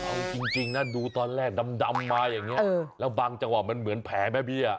เอาจริงนะดูตอนแรกดำมาอย่างนี้แล้วบางจังหวะมันเหมือนแผลแม่เบี้ย